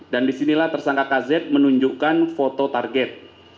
dan di sinilah tersangka kz menunjukkan foto target